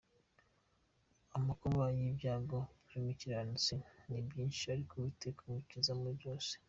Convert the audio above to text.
Amakuba n’ibyago by’umukiranutsi ni byinshi, Ariko Uwiteka amukiza muri byose.